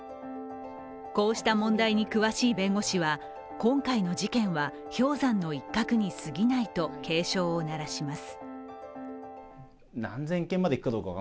こうした問題に詳しい弁護士は今回の事件は氷山の一角にすぎないと警鐘を鳴らします。